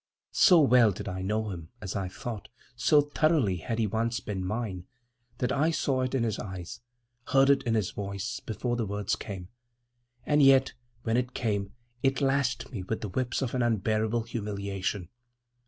So well did I know him, as I thought, so thoroughly had he once been mine, that I saw it in his eyes, heard it in his voice, before the words came. And yet, when it came, it lashed me with the whips of an unbearable humiliation.